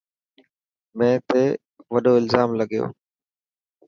مين تي وڏو الزام لڳو.